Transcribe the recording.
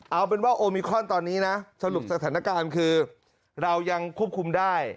เอาเป็นว่าโอมิคอนตอนนี้นะสรุปสถานการณ์คือเรายังควบคุมได้